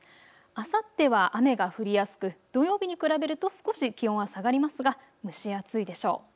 あさっては雨が降りやすく土曜日に比べると少し気温は下がりますが蒸し暑いでしょう。